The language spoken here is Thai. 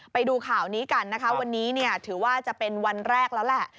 ไปดูข่าวนี้กันนะคะวันนี้เนี่ยถือว่าจะเป็นวันแรกแล้วแหละ